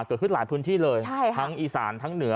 เกิดขึ้นหลายพื้นที่เลยทั้งอีสานทั้งเหนือ